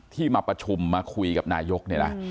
ที่มาประชุมมาคุยกับนายก